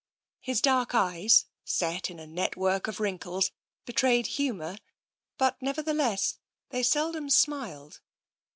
His dark eyes, set in a network of wrinkles, betrayed humour, but, nevertheless, thev seldom smiled.